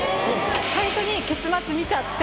最初に結末見ちゃって。